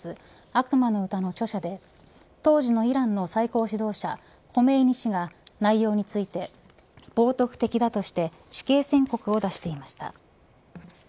悪魔の詩の著者で当時のイランの最高指導者ホメイニ師が内容について、冒涜的だとして死刑宣告を出していました。